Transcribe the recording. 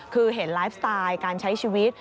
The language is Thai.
คือเห็นไลฟ์สไตล์การใช้ชีวิต